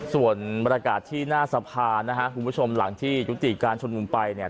ส่วนบรรยากาศที่หน้าสภานะฮะคุณผู้ชมหลังที่ยุติการชุมนุมไปเนี่ย